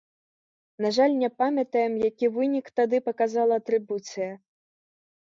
На жаль, не памятаем, які вынік тады паказала атрыбуцыя.